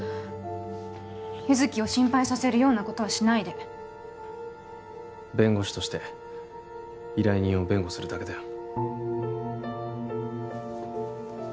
優月を心配させるようなことはしないで弁護士として依頼人を弁護するだけだよ